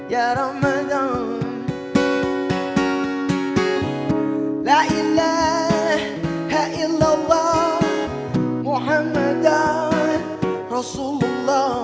ya ramadan laillah haillallah muhammadah rasulullah